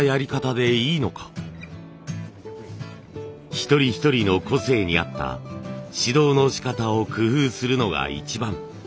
一人一人の個性に合った指導のしかたを工夫するのが一番。